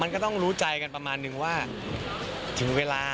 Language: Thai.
มันก็ต้องรู้ใจกันประมาณนึงว่าถึงเวลา